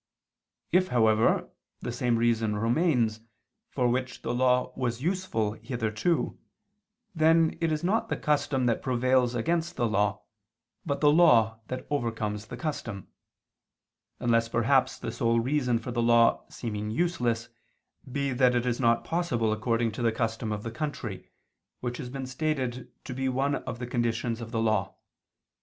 If, however, the same reason remains, for which the law was useful hitherto, then it is not the custom that prevails against the law, but the law that overcomes the custom: unless perhaps the sole reason for the law seeming useless, be that it is not "possible according to the custom of the country" [*Q. 95, A. 3], which has been stated to be one of the conditions of law.